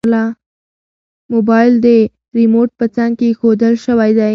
موبایل د ریموټ په څنګ کې ایښودل شوی دی.